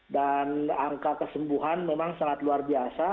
dan angka kesembuhan memang sangat luar biasa